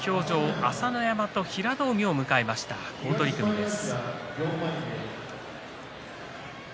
土俵上は朝乃山と平戸海を迎えました、好取組です。